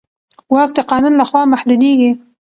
واک د قانون له خوا محدودېږي.